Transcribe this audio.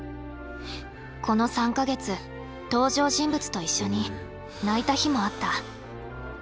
この３か月登場人物と一緒に泣いた日もあった。